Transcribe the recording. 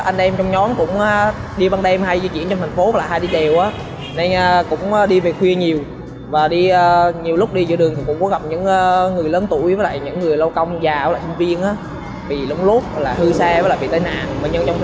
nhiều lần đi giữa đường cũng có gặp những người lớn tuổi những người lâu công già sinh viên bị lốm lốt hư xe bị tài nạn